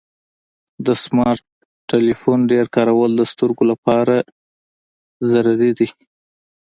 د سمارټ ټلیفون ډیر کارول د سترګو لپاره ضرري دی.